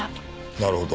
なるほど。